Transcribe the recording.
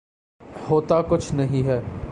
ہوتا کچھ نہیں ہے۔